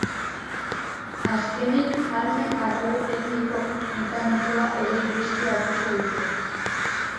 Azkenik, armen arlo tekniko-mekanikoa ere hizpide hartuko dute.